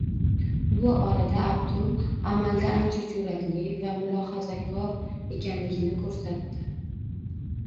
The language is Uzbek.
Bu orada Abdu amalda ancha jur`atli va mulohazakor ekanligini ko`rsatdi